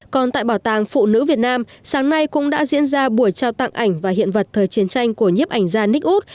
còn tại bảo tàng phụ nữ việt nam sáng nay cũng đã diễn ra buổi trao tặng ảnh và hiện vật thời chiến tranh của nhiếp ảnh gia nick wood